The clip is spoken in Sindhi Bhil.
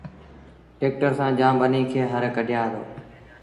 ٽيڪٽر سآݩ جآم ٻنيٚ کي هر ڪڍآئي دو